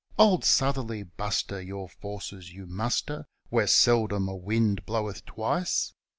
Old Southerly Buster! your forces you muster Where seldom a wind bloweth twice.